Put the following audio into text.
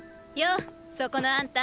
うそこのあんた。